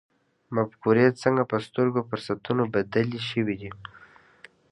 مفکورې څنګه په سترو فرصتونو بدلې شوې دي.